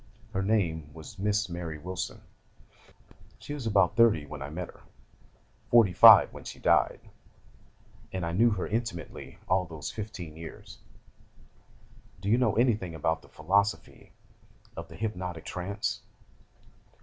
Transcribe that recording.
Her name was Miss Mary Wilson; she was about thirty when I met her, forty five when she died, and I knew her intimately all those fifteen years. Do you know anything about the philosophy of the hypnotic trance?